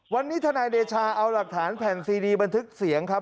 วันนี้ทนายเดชาเอาหลักฐานแผ่นซีดีบันทึกเสียงครับ